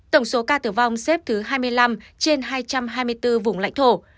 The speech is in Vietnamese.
tổng số ca tử vong xếp thứ hai mươi năm trên hai trăm hai mươi bốn vùng lãnh thổ